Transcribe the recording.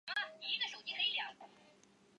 唯一通过的路线是井原铁道井原线。